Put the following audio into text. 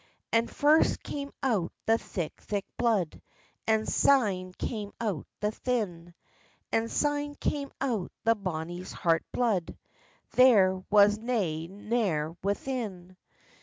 And first came out the thick, thick blood, And syne came out the thin; And syne came out the bonny heart's blood; There was nae mair within.